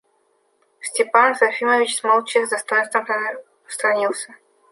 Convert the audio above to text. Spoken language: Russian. Степан Трофимович молча и с достоинством посторонился.